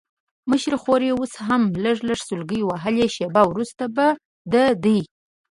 مشره خور یې اوس هم لږ لږ سلګۍ وهلې، شېبه وروسته به د دې.